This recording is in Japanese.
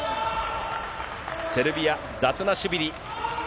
セルビア、ダトゥナシュビリ。